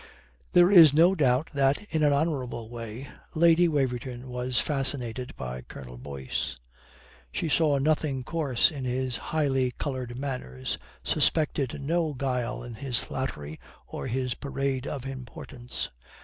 There is no doubt that, in an honourable way, Lady Waverton was fascinated by Colonel Boyce. She saw nothing coarse in his highly coloured manners, suspected no guile in his flattery or his parade of importance.